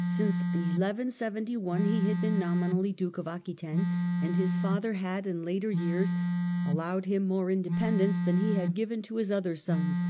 Since 1 1 7 1 he had been nomi nally Duke of Aquitaine, and his father had in later years allowed him more independence than he had given to his other sons.